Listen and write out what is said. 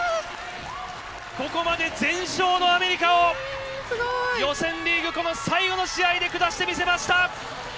ここまで全勝のアメリカを予選リーグ最後の試合で下して見せました。